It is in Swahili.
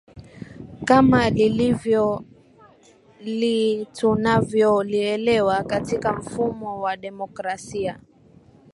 kama lilivyo li tunavyo lielewa katika mfumo wa demokrasia